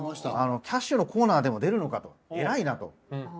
キャッシュのコーナーでも出るのかと偉いなと。